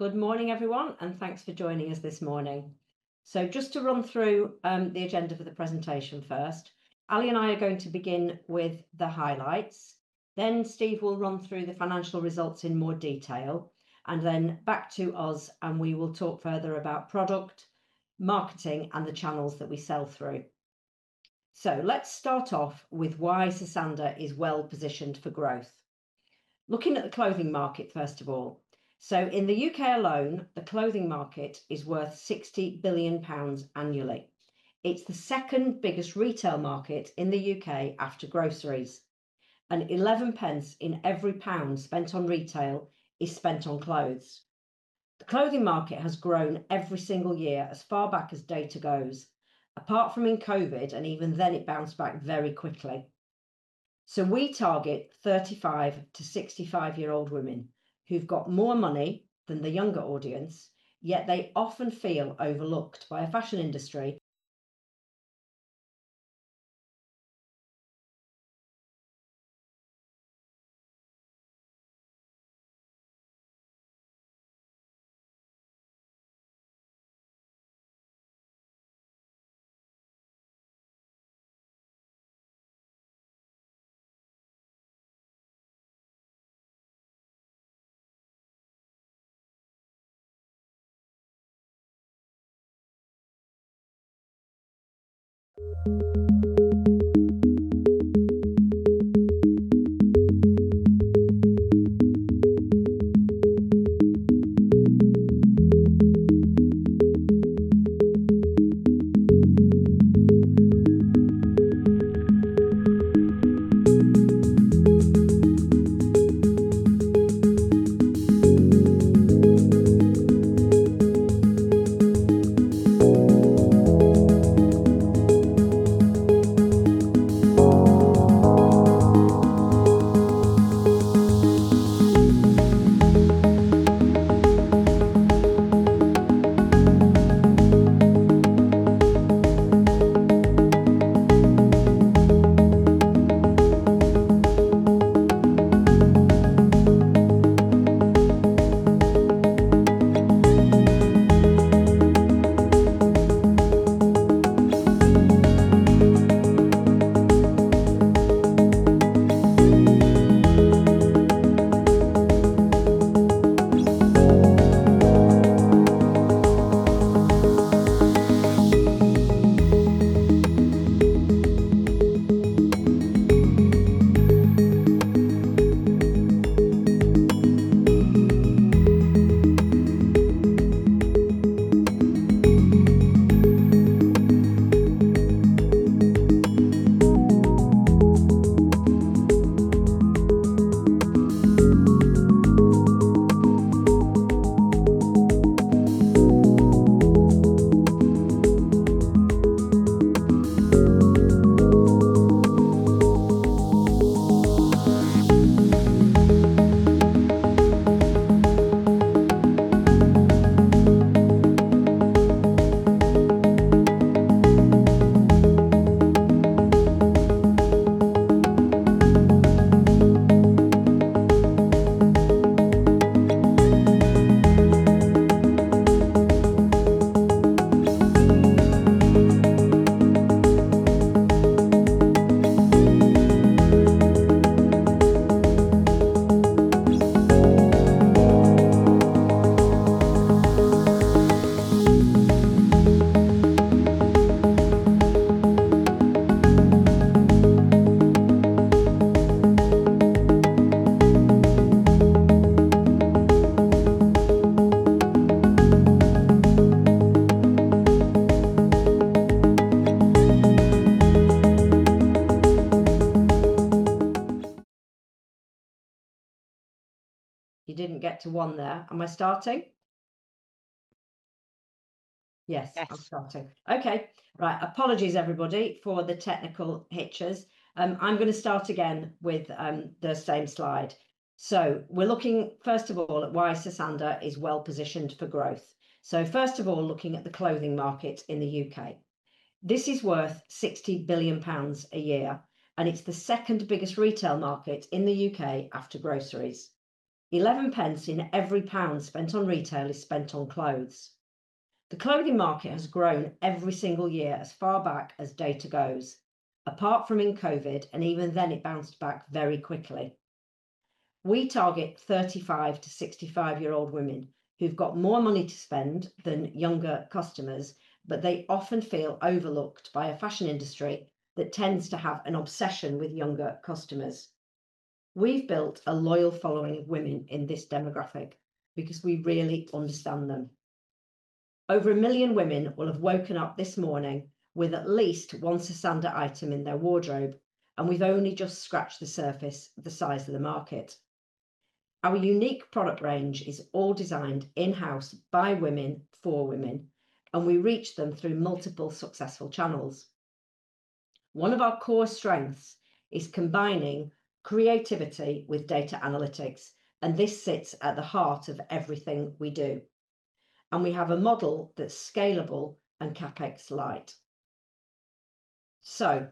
Good morning, everyone, and thanks for joining us this morning. Just to run through the agenda for the presentation first, Ali and I are going to begin with the highlights. Steve will run through the financial results in more detail. Back to us, we will talk further about product, marketing, and the channels that we sell through. Let's start off with why Sosandar is well-positioned for growth. Looking at the clothing market, first of all. In the U.K. alone, the clothing market is worth 60 billion pounds annually. It's the second biggest retail market in the U.K. after groceries. 0.11 in every pound spent on retail is spent on clothes. The clothing market has grown every single year, as far back as data goes, apart from in COVID. Even then, it bounced back very quickly. We target 35 to 65-year-old women who've got more money than the younger audience, yet they often feel overlooked by a fashion industry. You didn't get to one there. Am I starting? Yes. Yes. I'm starting. Okay. Right. Apologies, everybody, for the technical hitches. I'm going to start again with the same slide. We're looking, first of all, at why Sosandar is well-positioned for growth. First of all, looking at the clothing market in the U.K. This is worth 60 billion pounds a year. It's the second biggest retail market in the U.K. after groceries. 0.11 in every pound spent on retail is spent on clothes. The clothing market has grown every single year, as far back as data goes, apart from in COVID. Even then, it bounced back very quickly. We target 35 to 65-year-old women who've got more money to spend than younger customers. They often feel overlooked by a fashion industry that tends to have an obsession with younger customers. We've built a loyal following of women in this demographic because we really understand them. Over a million women will have woken up this morning with at least one Sosandar item in their wardrobe. We've only just scratched the surface of the size of the market. Our unique product range is all designed in-house by women, for women. We reach them through multiple successful channels. One of our core strengths is combining creativity with data analytics. This sits at the heart of everything we do. We have a model that's scalable and CapEx light.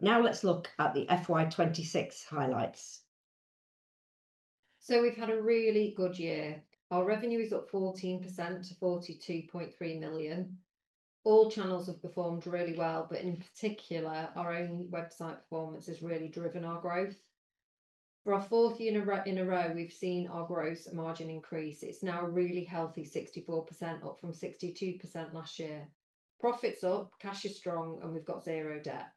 Now let's look at the FY 2026 highlights. We've had a really good year. Our revenue is up 14% to 42.3 million. All channels have performed really well. In particular, our own website performance has really driven our growth. For our fourth year in a row, we've seen our gross margin increase. It's now a really healthy 64%, up from 62% last year. Profit's up, cash is strong. We've got zero debt.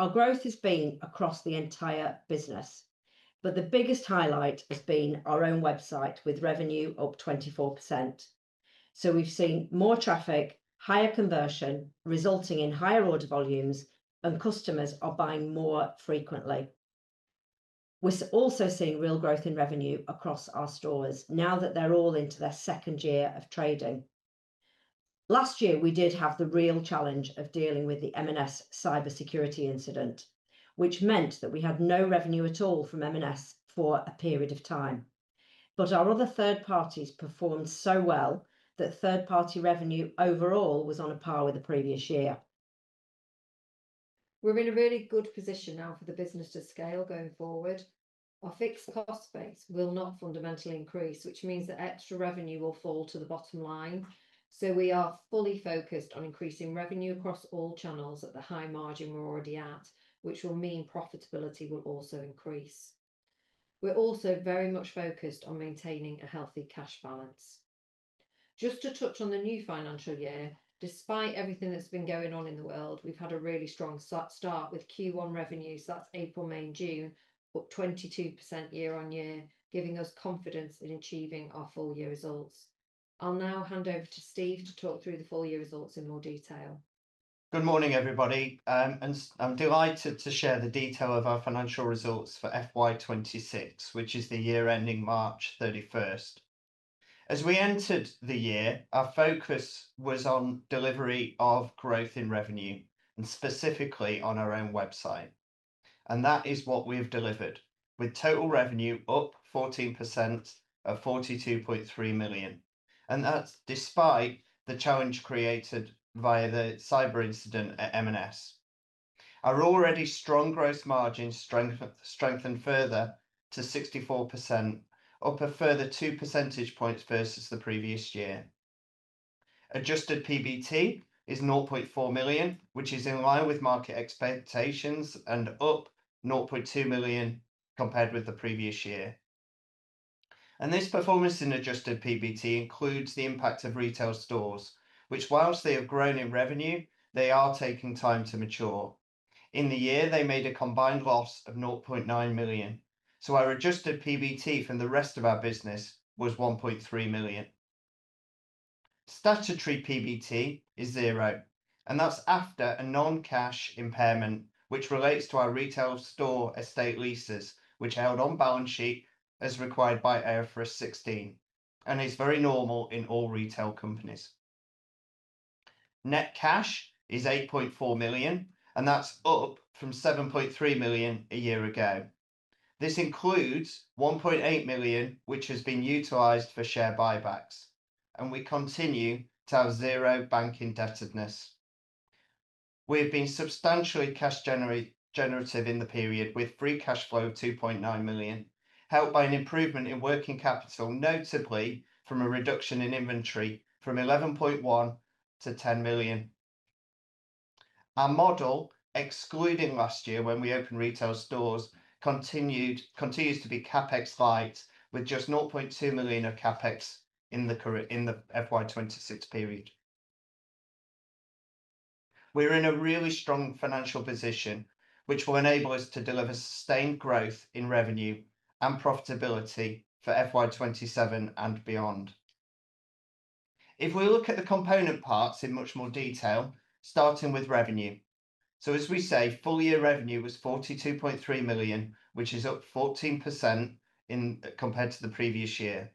Our growth has been across the entire business, the biggest highlight has been our own website, with revenue up 24%. We've seen more traffic, higher conversion, resulting in higher order volumes, and customers are buying more frequently. We're also seeing real growth in revenue across our stores now that they're all into their second year of trading. Last year, we did have the real challenge of dealing with the M&S cybersecurity incident, which meant that we had no revenue at all from M&S for a period of time. Our other third parties performed so well that third party revenue overall was on a par with the previous year. We're in a really good position now for the business to scale going forward. Our fixed cost base will not fundamentally increase, which means that extra revenue will fall to the bottom line. We are fully focused on increasing revenue across all channels at the high margin we're already at, which will mean profitability will also increase. We're also very much focused on maintaining a healthy cash balance. Just to touch on the new financial year, despite everything that's been going on in the world, we've had a really strong start with Q1 revenues, that's April, May, and June, up 22% year-over-year, giving us confidence in achieving our full year results. I'll now hand over to Steve to talk through the full year results in more detail. Good morning, everybody. I'm delighted to share the detail of our financial results for FY 2026, which is the year ending March 31st. As we entered the year, our focus was on delivery of growth in revenue and specifically on our own website. That is what we have delivered, with total revenue up 14% at 42.3 million. That's despite the challenge created via the cyber incident at M&S. Our already strong gross margin strengthened further to 64%, up a further two percentage points versus the previous year. Adjusted PBT is 0.4 million, which is in line with market expectations and up 0.2 million compared with the previous year. This performance in adjusted PBT includes the impact of retail stores, which whilst they have grown in revenue, they are taking time to mature. In the year, they made a combined loss of 0.9 million. Our adjusted PBT from the rest of our business was 1.3 million. Statutory PBT is zero. That's after a non-cash impairment, which relates to our retail store estate leases, which are held on balance sheet as required by IFRS 16 and is very normal in all retail companies. Net cash is 8.4 million. That's up from 7.3 million a year ago. This includes 1.8 million which has been utilized for share buybacks. We continue to have zero bank indebtedness. We've been substantially cash generative in the period, with free cash flow of 2.9 million, helped by an improvement in working capital, notably from a reduction in inventory from 11.1 million to 10 million. Our model, excluding last year when we opened retail stores, continues to be CapEx light, with just 0.2 million of CapEx in the FY 2026 period. We're in a really strong financial position, which will enable us to deliver sustained growth in revenue and profitability for FY 2027 and beyond. If we look at the component parts in much more detail, starting with revenue. As we say, full year revenue was 42.3 million, which is up 14% compared to the previous year.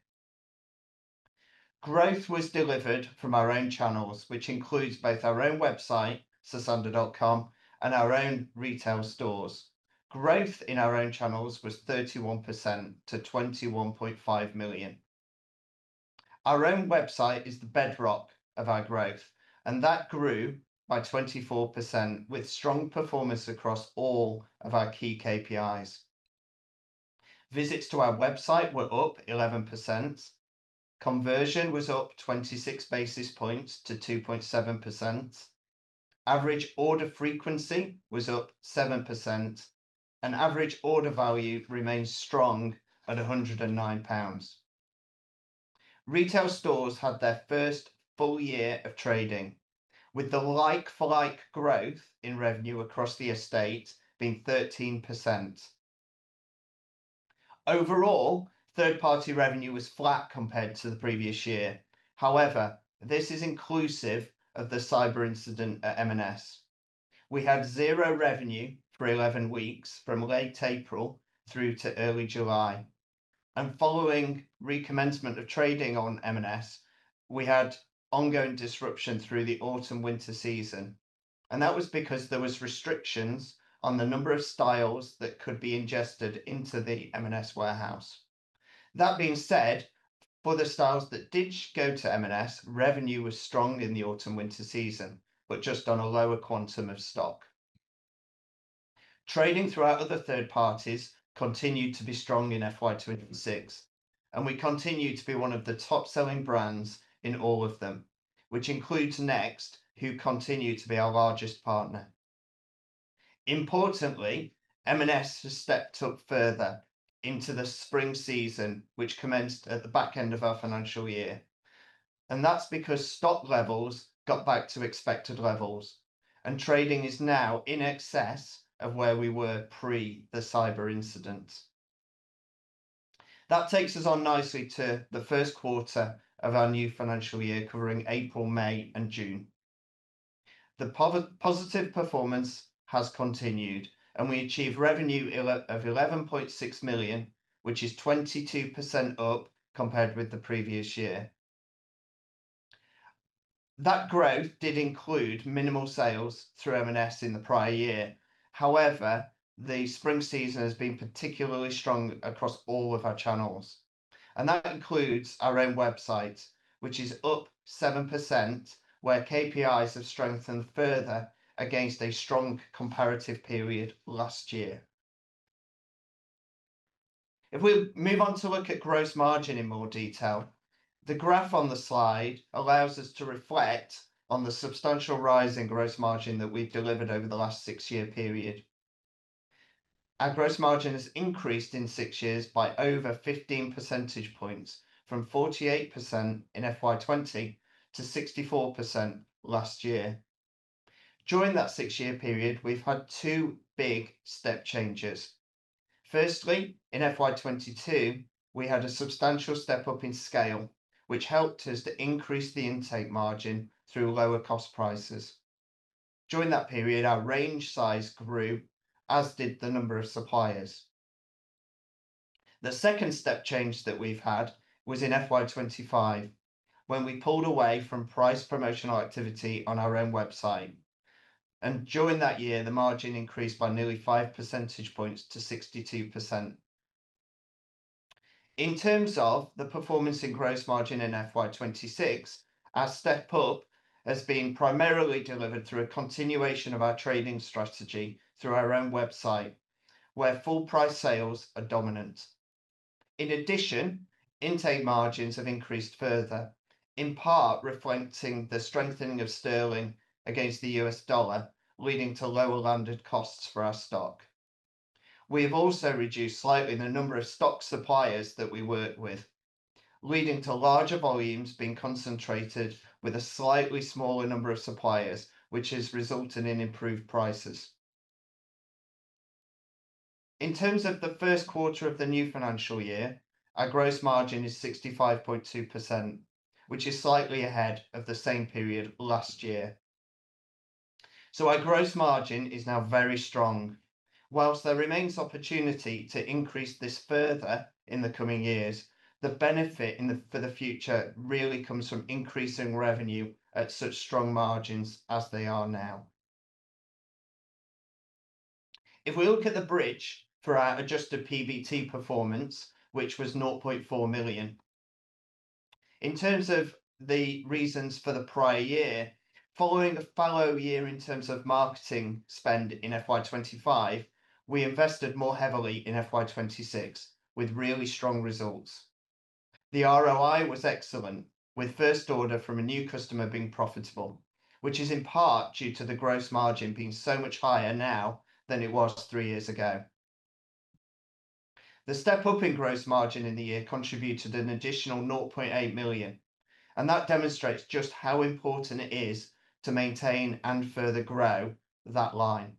Growth was delivered from our own channels, which includes both our own website, sosandar.com, and our own retail stores. Growth in our own channels was 31% to 21.5 million. Our own website is the bedrock of our growth, and that grew by 24% with strong performance across all of our key KPIs. Visits to our website were up 11%, conversion was up 26 basis points to 2.7%, average order frequency was up 7%, and average order value remains strong at 109 pounds. Retail stores had their first full year of trading, with the like-for-like growth in revenue across the estate being 13%. Overall, third party revenue was flat compared to the previous year. However, this is inclusive of the cyber incident at M&S. We had zero revenue for 11 weeks from late April through to early July. Following recommencement of trading on M&S, we had ongoing disruption through the autumn/winter season, and that was because there were restrictions on the number of styles that could be ingested into the M&S warehouse. That being said for the styles that did go to M&S, revenue was strong in the autumn/winter season, but just on a lower quantum of stock. Trading through our other third parties continued to be strong in FY 2026, and we continue to be one of the top selling brands in all of them, which includes Next, who continue to be our largest partner. Importantly, M&S has stepped up further into the spring season, which commenced at the back end of our financial year, and that's because stock levels got back to expected levels, and trading is now in excess of where we were pre the cyber incident. That takes us on nicely to the first quarter of our new financial year, covering April, May, and June. The positive performance has continued, and we achieved revenue of 11.6 million, which is 22% up compared with the previous year. That growth did include minimal sales through M&S in the prior year. The spring season has been particularly strong across all of our channels, and that includes our own website, which is up 7%, where KPIs have strengthened further against a strong comparative period last year. If we move on to look at gross margin in more detail, the graph on the slide allows us to reflect on the substantial rise in gross margin that we've delivered over the last six-year period. Our gross margin has increased in six years by over 15 percentage points, from 48% in FY 2020 to 64% last year. During that six-year period, we've had two big step changes. Firstly, in FY 2022, we had a substantial step up in scale, which helped us to increase the intake margin through lower cost prices. During that period, our range size grew, as did the number of suppliers. The second step change that we've had was in FY 2025, when we pulled away from price promotional activity on our own website. During that year, the margin increased by nearly five percentage points to 62%. In terms of the performance in gross margin in FY 2026, our step up has been primarily delivered through a continuation of our trading strategy through our own website, where full price sales are dominant. In addition, intake margins have increased further, in part reflecting the strengthening of sterling against the US dollar, leading to lower landed costs for our stock. We have also reduced slightly the number of stock suppliers that we work with, leading to larger volumes being concentrated with a slightly smaller number of suppliers, which has resulted in improved prices. In terms of the first quarter of the new financial year, our gross margin is 65.2%, which is slightly ahead of the same period last year. Our gross margin is now very strong. Whilst there remains opportunity to increase this further in the coming years, the benefit for the future really comes from increasing revenue at such strong margins as they are now. If we look at the bridge for our adjusted PBT performance, which was 0.4 million. In terms of the reasons for the prior year, following a fallow year in terms of marketing spend in FY 2025, we invested more heavily in FY 2026 with really strong results. The ROI was excellent, with first order from a new customer being profitable, which is in part due to the gross margin being so much higher now than it was three years ago. The step up in gross margin in the year contributed an additional 0.8 million. That demonstrates just how important it is to maintain and further grow that line.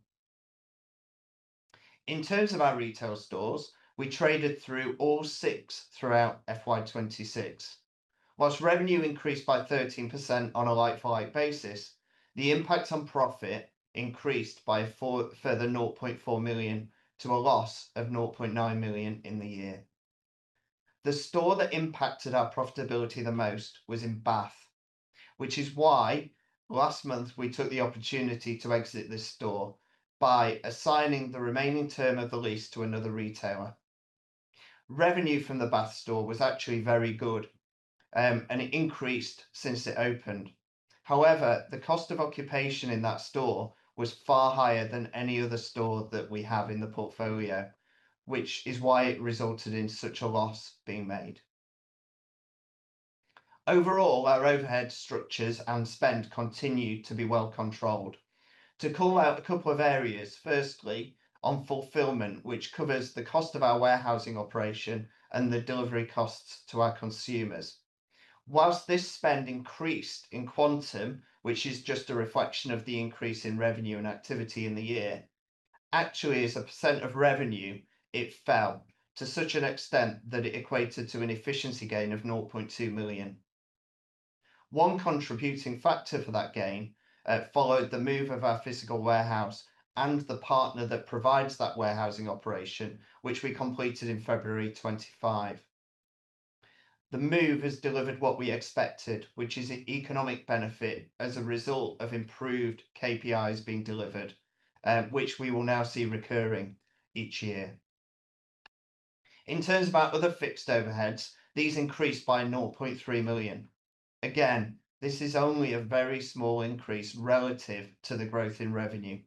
In terms of our retail stores, we traded through all six throughout FY 2026. Whilst revenue increased by 13% on a like-for-like basis, the impact on profit increased by a further 0.4 million to a loss of 0.9 million in the year. The store that impacted our profitability the most was in Bath, which is why last month we took the opportunity to exit this store by assigning the remaining term of the lease to another retailer. Revenue from the Bath store was actually very good. It increased since it opened. The cost of occupation in that store was far higher than any other store that we have in the portfolio, which is why it resulted in such a loss being made. Overall, our overhead structures and spend continue to be well controlled. To call out a couple of areas, firstly on fulfillment, which covers the cost of our warehousing operation and the delivery costs to our consumers. Whilst this spend increased in quantum, which is just a reflection of the increase in revenue and activity in the year, actually as a % of revenue, it fell to such an extent that it equated to an efficiency gain of 0.2 million. One contributing factor for that gain followed the move of our physical warehouse and the partner that provides that warehousing operation, which we completed in February 2025. The move has delivered what we expected, which is an economic benefit as a result of improved KPIs being delivered which we will now see recurring each year. In terms of our other fixed overheads, these increased by 0.3 million. This is only a very small increase relative to the growth in revenue.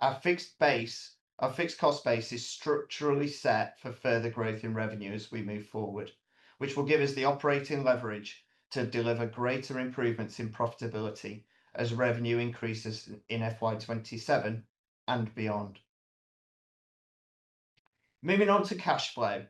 Our fixed cost base is structurally set for further growth in revenue as we move forward, which will give us the operating leverage to deliver greater improvements in profitability as revenue increases in FY 2027 and beyond. Moving on to cash flow.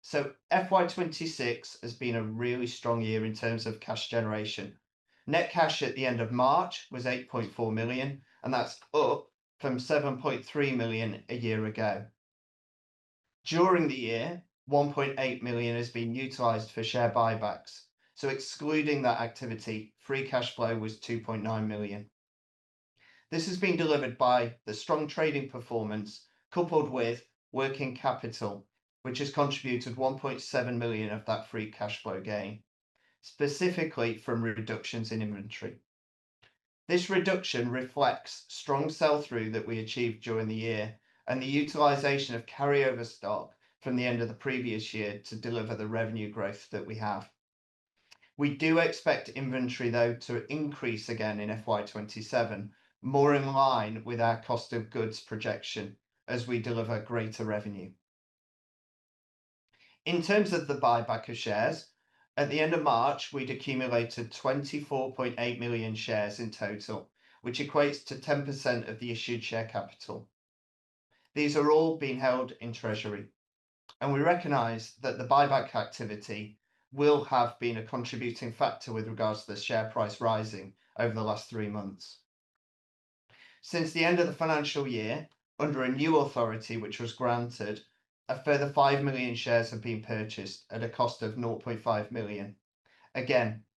FY 2026 has been a really strong year in terms of cash generation. Net cash at the end of March was 8.4 million. That's up from 7.3 million a year ago. During the year, 1.8 million has been utilized for share buybacks. Excluding that activity, free cash flow was 2.9 million. This has been delivered by the strong trading performance coupled with working capital, which has contributed 1.7 million of that free cash flow gain, specifically from reductions in inventory. This reduction reflects strong sell-through that we achieved during the year, and the utilization of carry-over stock from the end of the previous year to deliver the revenue growth that we have. We do expect inventory, though, to increase again in FY 2027, more in line with our cost of goods projection as we deliver greater revenue. In terms of the buyback of shares, at the end of March, we'd accumulated 24.8 million shares in total, which equates to 10% of the issued share capital. These are all being held in treasury. We recognize that the buyback activity will have been a contributing factor with regards to the share price rising over the last three months. Since the end of the financial year, under a new authority, which was granted, a further 5 million shares have been purchased at a cost of 0.5 million.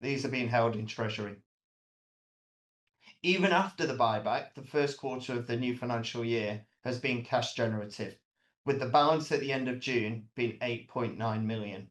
These are being held in treasury. Even after the buyback, the first quarter of the new financial year has been cash generative, with the balance at the end of June being 8.9 million.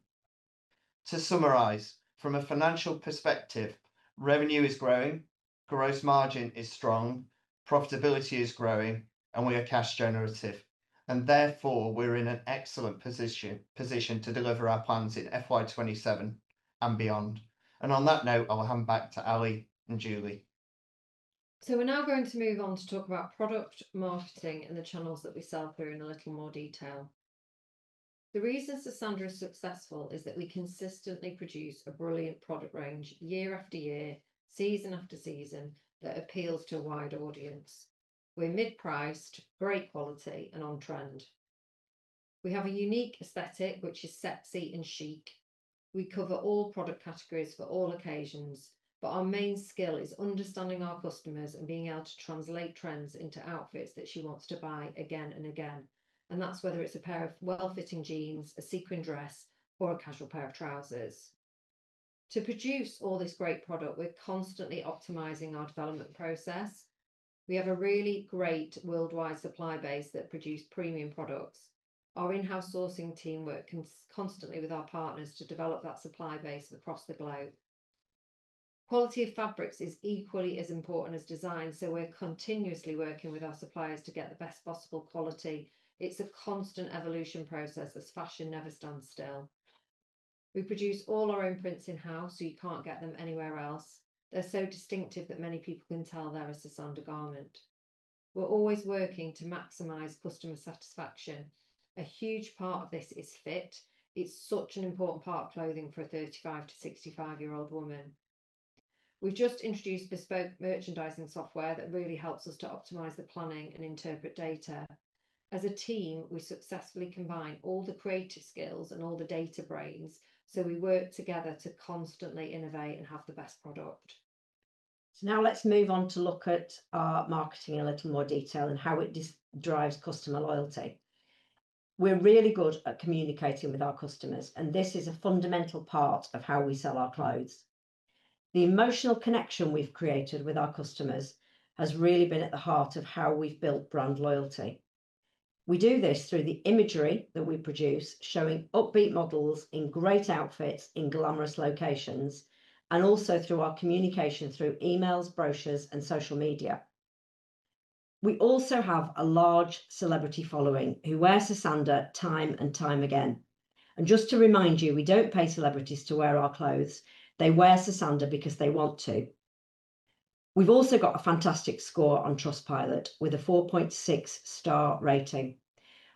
To summarize, from a financial perspective, revenue is growing, gross margin is strong, profitability is growing. We are cash generative. Therefore, we're in an excellent position to deliver our plans in FY 2027 and beyond. On that note, I'll hand back to Ali and Julie. We're now going to move on to talk about product marketing and the channels that we sell through in a little more detail. The reason Sosandar is successful is that we consistently produce a brilliant product range year after year, season after season, that appeals to a wide audience. We're mid-priced, great quality, and on-trend. We have a unique aesthetic, which is sexy and chic. We cover all product categories for all occasions, but our main skill is understanding our customers and being able to translate trends into outfits that she wants to buy again and again. That's whether it's a pair of well-fitting jeans, a sequin dress, or a casual pair of trousers. To produce all this great product, we're constantly optimizing our development process. We have a really great worldwide supply base that produce premium products. Our in-house sourcing team work constantly with our partners to develop that supply base across the globe. Quality of fabrics is equally as important as design. We're continuously working with our suppliers to get the best possible quality. It's a constant evolution process as fashion never stands still. We produce all our own prints in-house. You can't get them anywhere else. They're so distinctive that many people can tell they're a Sosandar garment. We're always working to maximize customer satisfaction. A huge part of this is fit. It's such an important part of clothing for a 35 to 65-year-old woman. We've just introduced bespoke merchandising software that really helps us to optimize the planning and interpret data. As a team, we successfully combine all the creative skills and all the data brains. We work together to constantly innovate and have the best product. Now let's move on to look at our marketing in a little more detail and how it drives customer loyalty. We're really good at communicating with our customers. This is a fundamental part of how we sell our clothes. The emotional connection we've created with our customers has really been at the heart of how we've built brand loyalty. We do this through the imagery that we produce, showing upbeat models in great outfits in glamorous locations. Also through our communication through emails, brochures, and social media. We also have a large celebrity following who wear Sosandar time and time again. Just to remind you, we don't pay celebrities to wear our clothes. They wear Sosandar because they want to. We've also got a fantastic score on Trustpilot with a 4.6-star rating.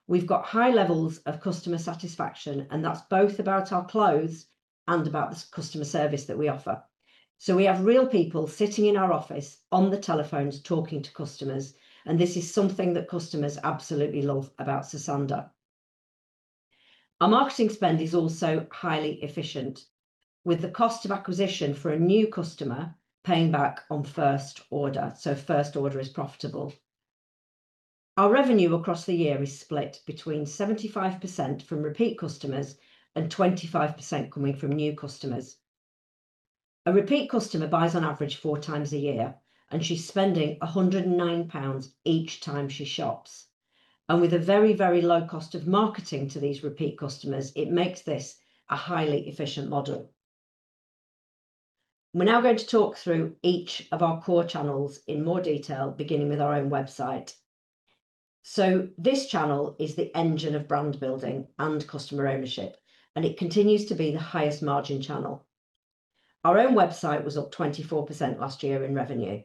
We've got high levels of customer satisfaction. That's both about our clothes and about the customer service that we offer. We have real people sitting in our office on the telephones talking to customers. This is something that customers absolutely love about Sosandar. Our marketing spend is also highly efficient. With the cost of acquisition for a new customer paying back on first order, first order is profitable. Our revenue across the year is split between 75% from repeat customers and 25% coming from new customers. A repeat customer buys on average four times a year. She's spending 109 pounds each time she shops. With a very low cost of marketing to these repeat customers, it makes this a highly efficient model. We're now going to talk through each of our core channels in more detail, beginning with our own website. This channel is the engine of brand building and customer ownership. It continues to be the highest margin channel. Our own website was up 24% last year in revenue.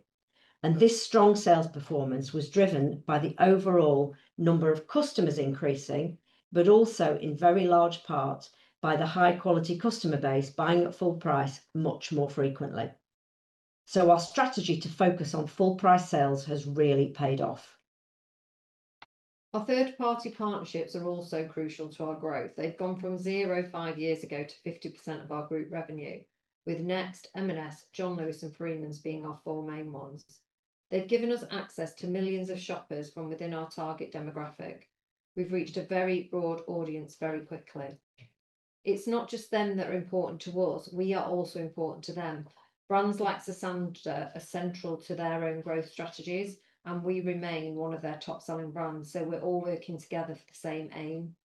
This strong sales performance was driven by the overall number of customers increasing, also in very large part by the high-quality customer base buying at full price much more frequently. Our strategy to focus on full price sales has really paid off. Our third party partnerships are also crucial to our growth. They've gone from 0% five years ago to 50% of our group revenue, with Next, M&S, John Lewis, and Freemans being our four main ones. They've given us access to millions of shoppers from within our target demographic. We've reached a very broad audience very quickly. It's not just them that are important to us, we are also important to them. Brands like Sosandar are central to their own growth strategies, and we remain one of their top-selling brands. We're all working together for the same aim.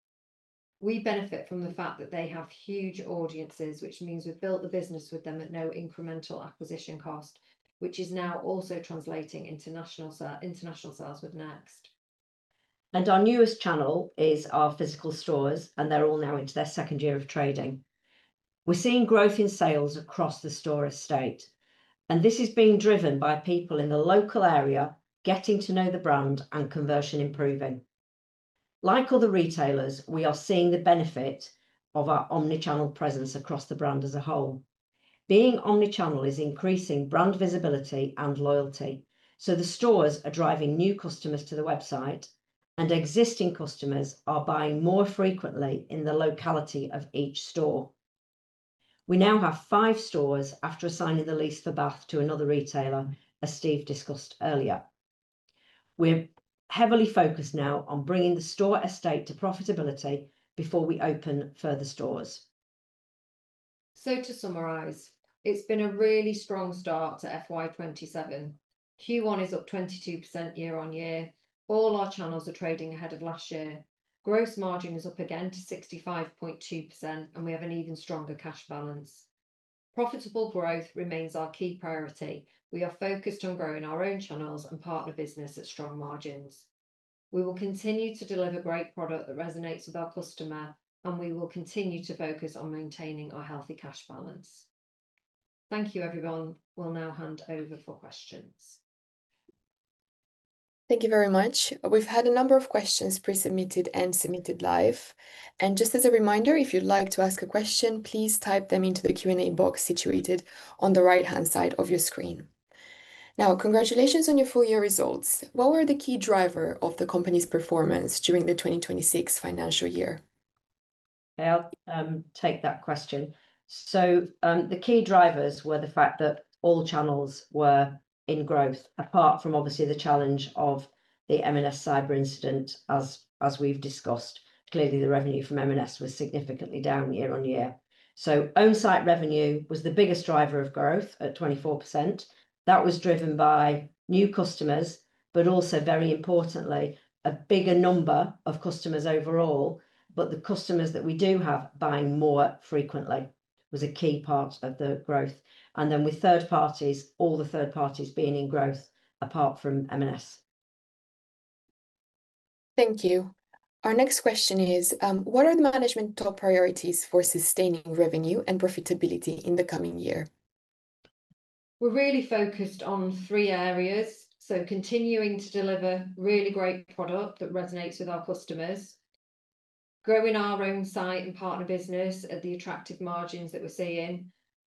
We benefit from the fact that they have huge audiences, which means we've built the business with them at no incremental acquisition cost, which is now also translating international sales with Next. Our newest channel is our physical stores, and they're all now into their second year of trading. We're seeing growth in sales across the store estate, and this is being driven by people in the local area getting to know the brand and conversion improving. Like other retailers, we are seeing the benefit of our omni-channel presence across the brand as a whole. Being omni-channel is increasing brand visibility and loyalty, so the stores are driving new customers to the website and existing customers are buying more frequently in the locality of each store. We now have five stores after assigning the lease for Bath to another retailer, as Steve discussed earlier. We're heavily focused now on bringing the store estate to profitability before we open further stores. To summarize, it's been a really strong start to FY 2027. Q1 is up 22% year-over-year. All our channels are trading ahead of last year. Gross margin is up again to 65.2%, and we have an even stronger cash balance. Profitable growth remains our key priority. We are focused on growing our own channels and partner business at strong margins. We will continue to deliver great product that resonates with our customer, and we will continue to focus on maintaining our healthy cash balance. Thank you everyone. We'll now hand over for questions. Thank you very much. We've had a number of questions pre-submitted and submitted live. Just as a reminder, if you'd like to ask a question, please type them into the Q&A box situated on the right-hand side of your screen. Congratulations on your full year results. What were the key driver of the company's performance during the 2026 financial year? I'll take that question. The key drivers were the fact that all channels were in growth, apart from obviously the challenge of the M&S cyber incident as we've discussed. Clearly, the revenue from M&S was significantly down year-on-year. Own site revenue was the biggest driver of growth at 24%. That was driven by new customers, but also very importantly, a bigger number of customers overall. The customers that we do have buying more frequently was a key part of the growth. With third parties, all the third parties being in growth apart from M&S. Thank you. Our next question is, what are the management top priorities for sustaining revenue and profitability in the coming year? We're really focused on three areas. Continuing to deliver really great product that resonates with our customers, growing our own site and partner business at the attractive margins that we're seeing,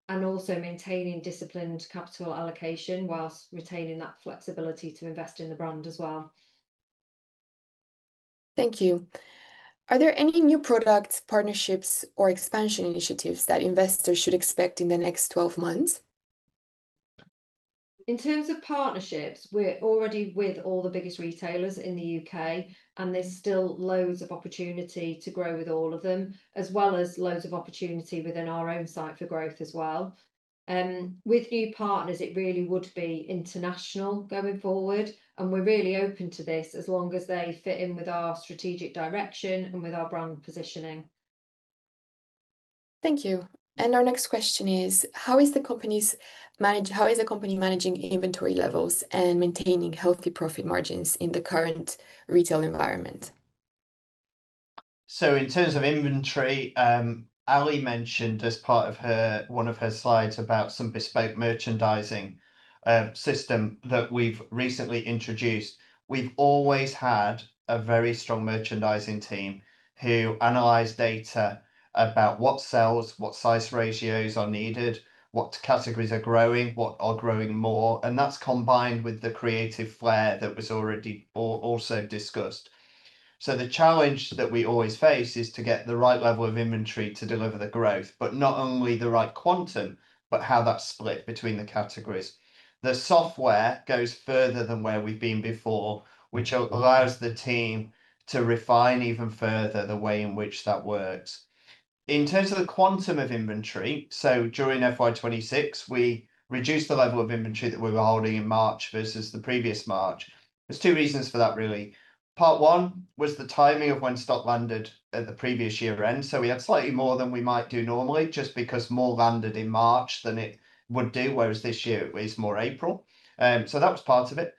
and also maintaining disciplined capital allocation whilst retaining that flexibility to invest in the brand as well. Thank you. Are there any new products, partnerships, or expansion initiatives that investors should expect in the next 12 months? In terms of partnerships, we're already with all the biggest retailers in the U.K. There's still loads of opportunity to grow with all of them, as well as loads of opportunity within our own site for growth as well. With new partners, it really would be international going forward. We're really open to this as long as they fit in with our strategic direction and with our brand positioning. Thank you. Our next question is: How is the company managing inventory levels and maintaining healthy profit margins in the current retail environment? In terms of inventory, Ali mentioned as part of one of her slides about some bespoke merchandising system that we've recently introduced. We've always had a very strong merchandising team who analyze data about what sells, what size ratios are needed, what categories are growing, what are growing more. That's combined with the creative flair that was also discussed. The challenge that we always face is to get the right level of inventory to deliver the growth, but not only the right quantum, but how that's split between the categories. The software goes further than where we've been before, which allows the team to refine even further the way in which that works. In terms of the quantum of inventory, during FY 2026, we reduced the level of inventory that we were holding in March versus the previous March. There's two reasons for that really. Part one was the timing of when stock landed at the previous year end. We had slightly more than we might do normally, just because more landed in March than it would do, whereas this year it was more April. That was part of it.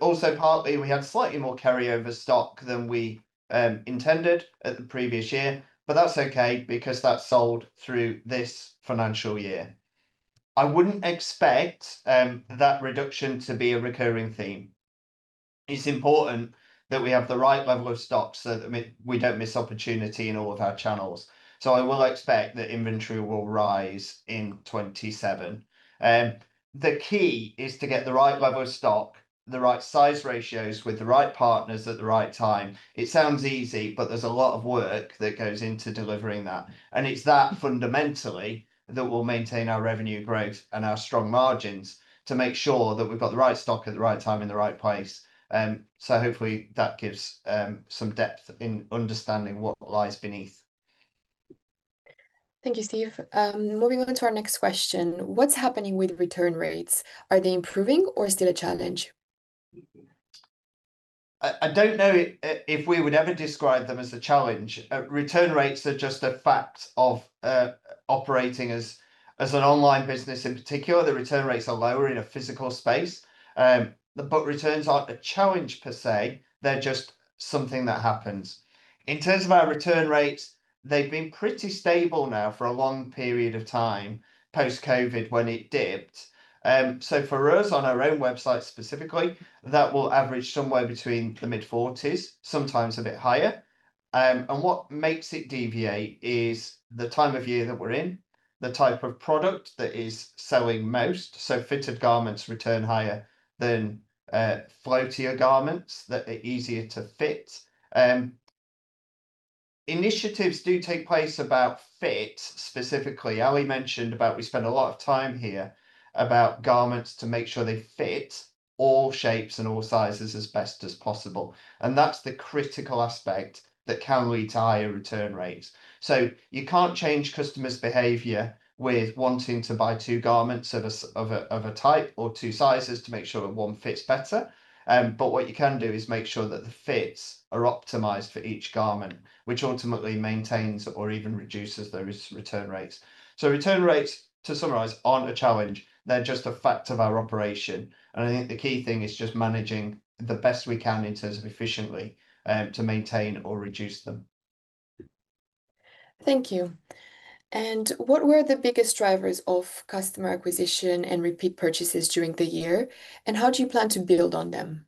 Also partly we had slightly more carryover stock than we intended at the previous year, but that's okay because that sold through this financial year. I wouldn't expect that reduction to be a recurring theme. It's important that we have the right level of stock so that we don't miss opportunity in all of our channels. I will expect that inventory will rise in 2027. The key is to get the right level of stock, the right size ratios with the right partners at the right time. It sounds easy, but there's a lot of work that goes into delivering that, and it's that fundamentally that will maintain our revenue growth and our strong margins to make sure that we've got the right stock at the right time in the right place. Hopefully that gives some depth in understanding what lies beneath. Thank you, Steve. Moving on to our next question. What's happening with return rates? Are they improving or still a challenge? I don't know if we would ever describe them as a challenge. Return rates are just a fact of operating as an online business. In particular, the return rates are lower in a physical space. Returns aren't a challenge per se. They're just something that happens. In terms of our return rates, they've been pretty stable now for a long period of time, post-COVID when it dipped. For us, on our own website specifically, that will average somewhere between the mid-40s, sometimes a bit higher. What makes it deviate is the time of year that we're in, the type of product that is selling most. Fitted garments return higher than floatier garments that are easier to fit. Initiatives do take place about fit specifically. Ali mentioned about we spend a lot of time here about garments to make sure they fit all shapes and all sizes as best as possible, and that's the critical aspect that can lead to higher return rates. You can't change customers' behavior with wanting to buy two garments of a type or two sizes to make sure that one fits better. What you can do is make sure that the fits are optimized for each garment, which ultimately maintains or even reduces those return rates. Return rates, to summarize, aren't a challenge. They're just a fact of our operation, and I think the key thing is just managing the best we can in terms of efficiently to maintain or reduce them. Thank you. What were the biggest drivers of customer acquisition and repeat purchases during the year, and how do you plan to build on them?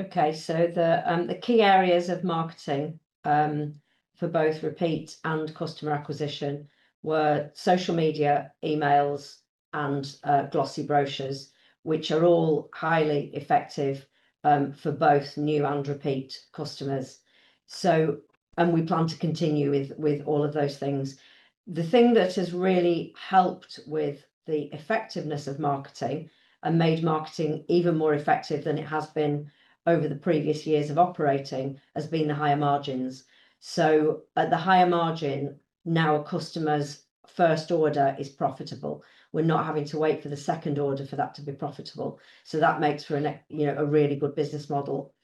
Okay, the key areas of marketing for both repeat and customer acquisition were social media, emails, and glossy brochures, which are all highly effective for both new and repeat customers. We plan to continue with all of those things. The thing that has really helped with the effectiveness of marketing and made marketing even more effective than it has been over the previous years of operating has been the higher margins. At the higher margin, now a customer's first order is profitable. We're not having to wait for the second order for that to be profitable. That makes for a really good business model.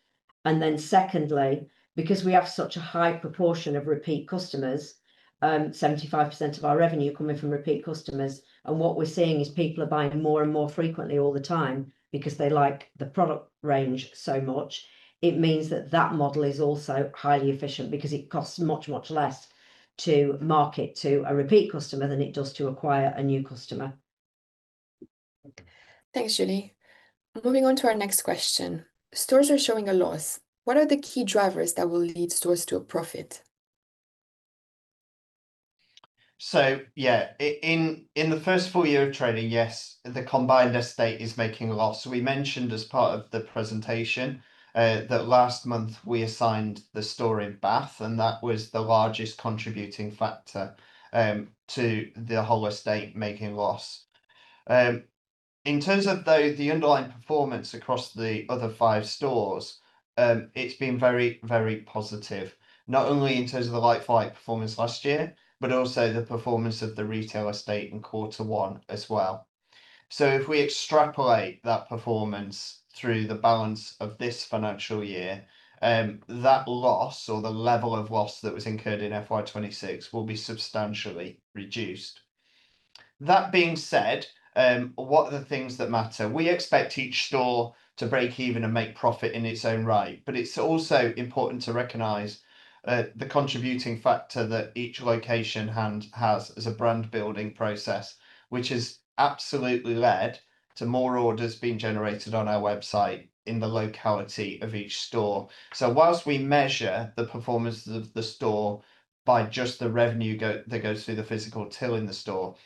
Secondly, because we have such a high proportion of repeat customers, 75% of our revenue coming from repeat customers, and what we're seeing is people are buying more and more frequently all the time because they like the product range so much. It means that that model is also highly efficient because it costs much, much less to market to a repeat customer than it does to acquire a new customer. Thanks, Julie. Moving on to our next question. Stores are showing a loss. What are the key drivers that will lead stores to a profit? Yeah, in the first full year of trading, yes, the combined estate is making a loss. We mentioned as part of the presentation that last month we assigned the store in Bath, and that was the largest contributing factor to the whole estate making a loss. In terms of, though, the underlying performance across the other five stores, it's been very, very positive, not only in terms of the like-for-like performance last year, but also the performance of the retail estate in quarter one as well. If we extrapolate that performance through the balance of this financial year, that loss or the level of loss that was incurred in FY 2026 will be substantially reduced. That being said, what are the things that matter? We expect each store to break even and make profit in its own right, but it's also important to recognize the contributing factor that each location has as a brand building process, which has absolutely led to more orders being generated on our website in the locality of each store. Whilst we measure the performance of the store by just the revenue that goes through the physical till in the store,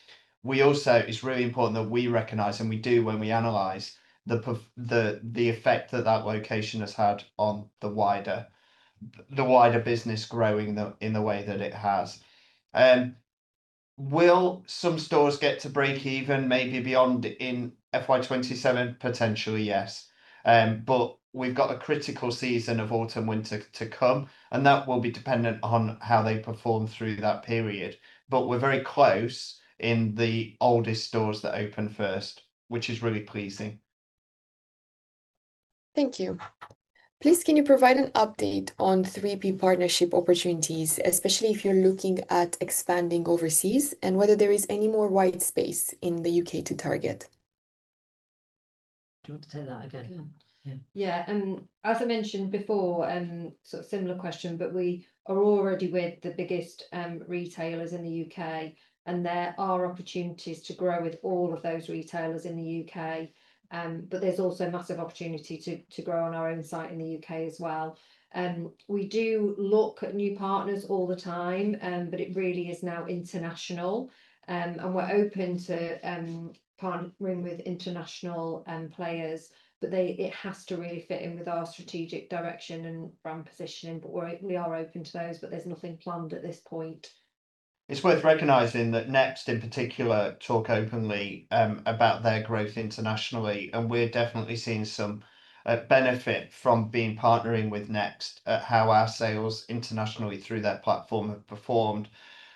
it's really important that we recognize, and we do when we analyze, the effect that that location has had on the wider business growing in the way that it has. Will some stores get to break even maybe beyond in FY 2027? Potentially, yes. We've got the critical season of autumn winter to come, and that will be dependent on how they perform through that period. We're very close in the oldest stores that opened first, which is really pleasing. Thank you. Please, can you provide an update on 3P partnership opportunities, especially if you're looking at expanding overseas, and whether there is any more white space in the U.K. to target? Do you want to say that again? Yeah. As I mentioned before, similar question, we are already with the biggest retailers in the U.K., and there are opportunities to grow with all of those retailers in the U.K. There's also massive opportunity to grow on our own site in the U.K. as well. We do look at new partners all the time, it really is now international, and we're open to partnering with international players, it has to really fit in with our strategic direction and brand positioning. We are open to those, there's nothing planned at this point. It's worth recognizing that Next, in particular, talk openly about their growth internationally, and we're definitely seeing some benefit from partnering with Next at how our sales internationally through their platform have performed.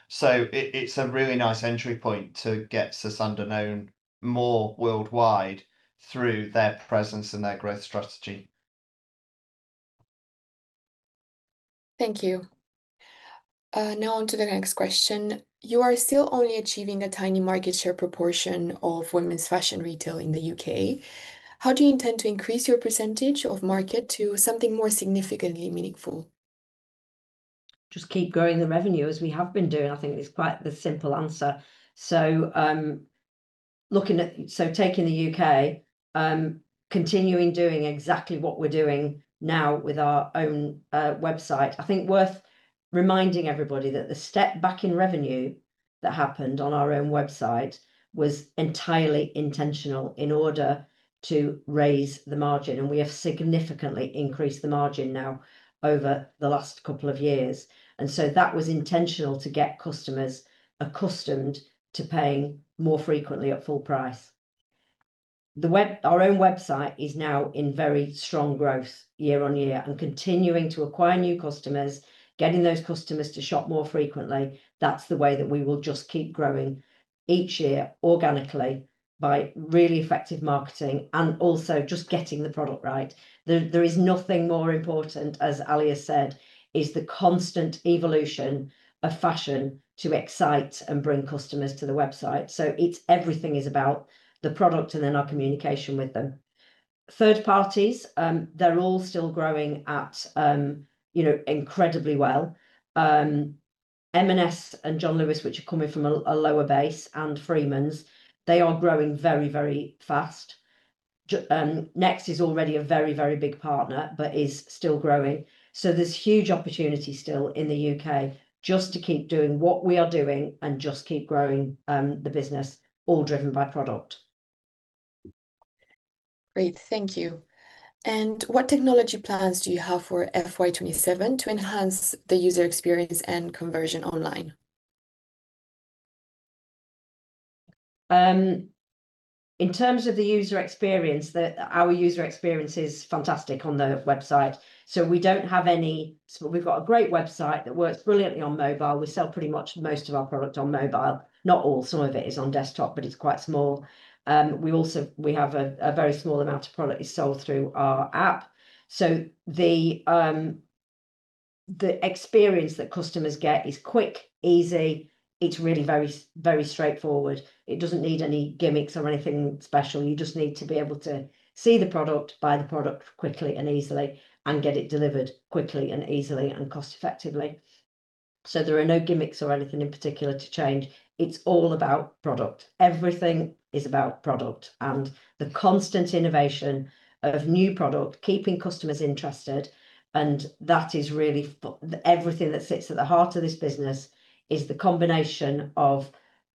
It's a really nice entry point to get Sosandar known more worldwide through their presence and their growth strategy. Thank you. Now, on to the next question. You are still only achieving a tiny market share proportion of women's fashion retail in the U.K. How do you intend to increase your percentage of market to something more significantly meaningful? Just keep growing the revenue as we have been doing, I think is quite the simple answer. Taking the U.K., continuing doing exactly what we're doing now with our own website. I think worth reminding everybody that the step back in revenue that happened on our own website was entirely intentional in order to raise the margin, and we have significantly increased the margin now over the last couple of years. That was intentional to get customers accustomed to paying more frequently at full price. Our own website is now in very strong growth year-over-year and continuing to acquire new customers, getting those customers to shop more frequently. That's the way that we will just keep growing each year organically by really effective marketing and also just getting the product right. There is nothing more important, as Ali has said, is the constant evolution of fashion to excite and bring customers to the website. Everything is about the product and then our communication with them. Third parties, they're all still growing incredibly well. M&S and John Lewis, which are coming from a lower base, and Freemans, they are growing very fast. Next is already a very big partner but is still growing. There's huge opportunity still in the U.K. just to keep doing what we are doing and just keep growing the business, all driven by product. Great. Thank you. What technology plans do you have for FY 2027 to enhance the user experience and conversion online? In terms of the user experience, our user experience is fantastic on the website. We've got a great website that works brilliantly on mobile. We sell pretty much most of our product on mobile. Not all, some of it is on desktop, but it's quite small. We have a very small amount of product is sold through our app. The experience that customers get is quick, easy. It's really very straightforward. It doesn't need any gimmicks or anything special. You just need to be able to see the product, buy the product quickly and easily, and get it delivered quickly and easily and cost effectively. There are no gimmicks or anything in particular to change. It's all about product. Everything is about product and the constant innovation of new product, keeping customers interested, and that is really everything that sits at the heart of this business, is the combination of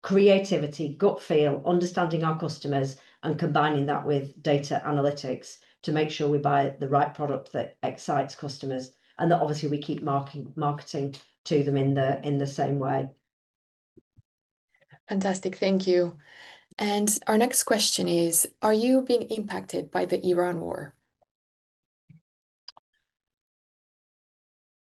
creativity, gut feel, understanding our customers, and combining that with data analytics to make sure we buy the right product that excites customers, and that obviously we keep marketing to them in the same way. Fantastic. Thank you. Our next question is, are you being impacted by the Iran war?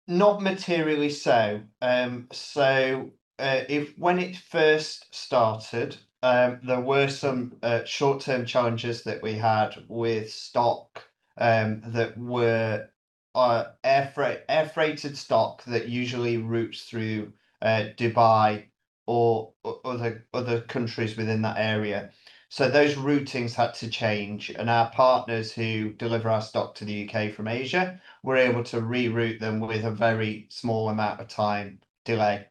Not materially so. When it first started, there were some short-term challenges that we had with stock, air freighted stock that usually routes through Dubai or other countries within that area. Those routings had to change, and our partners who deliver our stock to the U.K. from Asia were able to reroute them with a very small amount of time delay.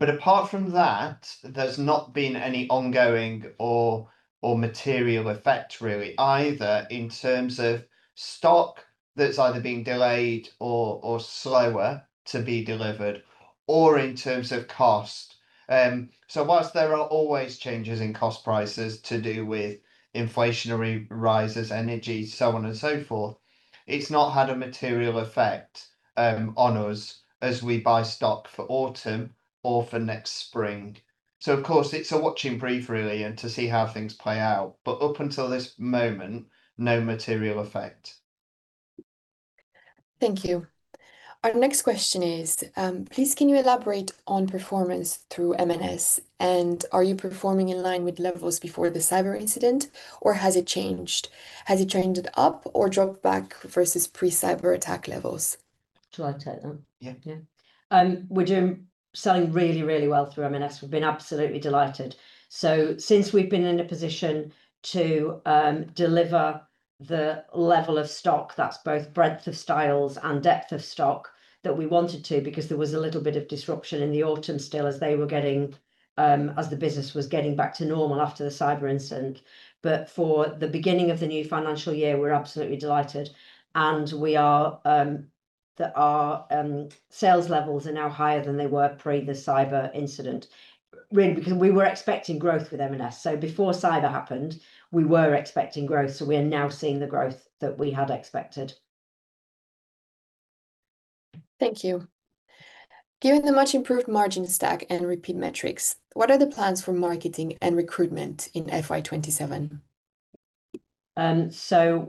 Apart from that, there's not been any ongoing or material effect, really, either in terms of stock that's either been delayed or slower to be delivered or in terms of cost. Whilst there are always changes in cost prices to do with inflationary rises, energy, so on and so forth, it's not had a material effect on us as we buy stock for autumn or for next spring. Of course, it's a watching brief, really, and to see how things play out. Up until this moment, no material effect. Thank you. Our next question is, please can you elaborate on performance through M&S, are you performing in line with levels before the cyber incident, or has it changed? Has it changed up or dropped back versus pre-cyber attack levels? Shall I take that? Yeah. Yeah. We're selling really, really well through M&S. We've been absolutely delighted. Since we've been in a position to deliver the level of stock that's both breadth of styles and depth of stock that we wanted to because there was a little bit of disruption in the autumn still as the business was getting back to normal after the cyber incident. For the beginning of the new financial year, we're absolutely delighted, and our sales levels are now higher than they were pre the cyber incident, really because we were expecting growth with M&S. Before cyber happened, we were expecting growth. We are now seeing the growth that we had expected. Thank you. Given the much improved margin stack and repeat metrics, what are the plans for marketing and recruitment in FY 2027?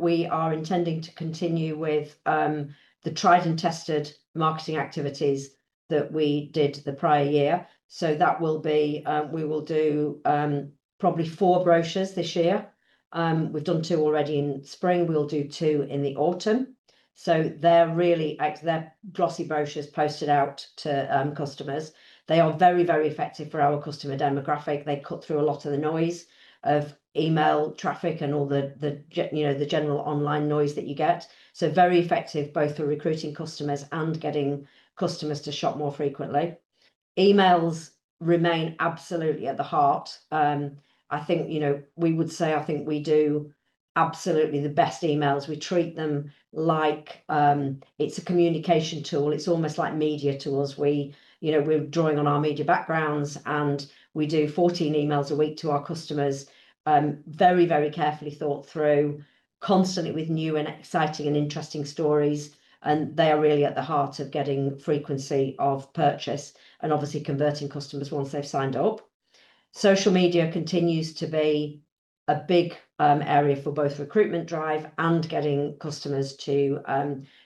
We are intending to continue with the tried and tested marketing activities that we did the prior year. That will be, we will do probably 4 brochures this year. We've done two already in spring. We'll do two in the autumn. They're really, they're glossy brochures posted out to customers. They are very, very effective for our customer demographic. They cut through a lot of the noise of email traffic and all the general online noise that you get. Very effective both for recruiting customers and getting customers to shop more frequently. Emails remain absolutely at the heart. I think we would say, I think we do absolutely the best emails. We treat them like it's a communication tool. It's almost like media to us. We're drawing on our media backgrounds, and we do 14 emails a week to our customers. Very, very carefully thought through, constantly with new and exciting and interesting stories, they are really at the heart of getting frequency of purchase, obviously converting customers once they've signed up. Social media continues to be a big area for both recruitment drive and getting customers to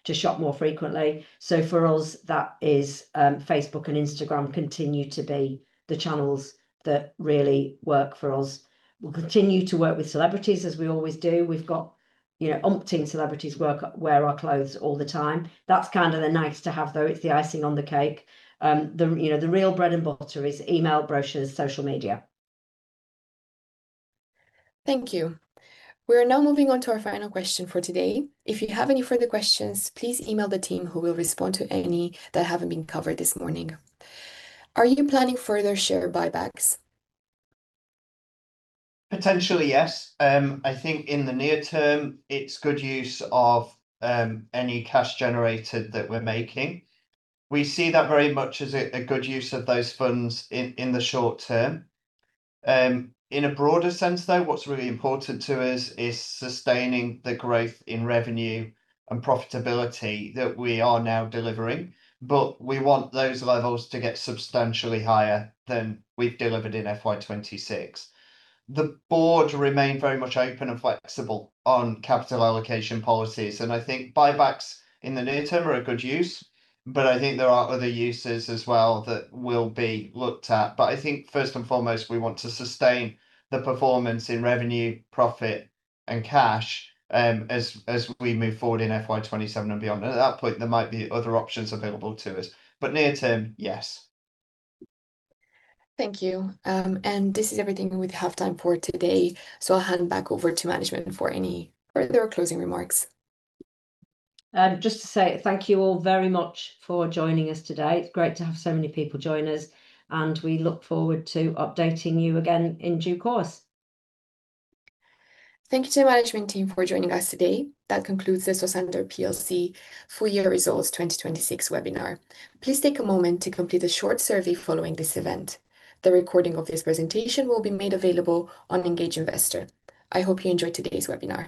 shop more frequently. For us, that is Facebook and Instagram continue to be the channels that really work for us. We'll continue to work with celebrities as we always do. We've got umpteen celebrities wear our clothes all the time. That's kind of the nice to have, though. It's the icing on the cake. The real bread and butter is email, brochures, and social media. Thank you. We are now moving on to our final question for today. If you have any further questions, please email the team who will respond to any that haven't been covered this morning. Are you planning further share buybacks? Potentially, yes. I think in the near term, it's good use of any cash generated that we're making. We see that very much as a good use of those funds in the short term. In a broader sense, though, what's really important to us is sustaining the growth in revenue and profitability that we are now delivering. We want those levels to get substantially higher than we've delivered in FY 2026. The board remain very much open and flexible on capital allocation policies, I think buybacks in the near term are a good use. I think there are other uses as well that will be looked at. I think first and foremost, we want to sustain the performance in revenue, profit, and cash, as we move forward in FY 2027 and beyond. At that point, there might be other options available to us, near term, yes. Thank you. This is everything we have time for today. I'll hand back over to management for any further closing remarks. Just to say thank you all very much for joining us today. It's great to have so many people join us, and we look forward to updating you again in due course. Thank you to the management team for joining us today. That concludes the Sosandar plc full year results 2026 webinar. Please take a moment to complete the short survey following this event. The recording of this presentation will be made available on Engage Investor. I hope you enjoyed today's webinar.